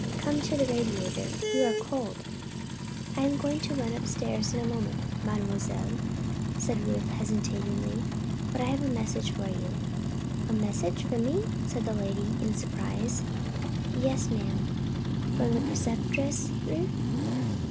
"Come to the radiator you are cold." "I am going to run upstairs in a moment, Mademoiselle," said Ruth, hesitatingly. "But I have a message for you." "A message for me?" said the lady, in surprise. "Yes, ma'am." "From the Preceptress, Ruth?"